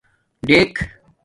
ڈیک